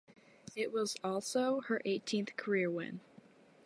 It was also her eighteenth career win.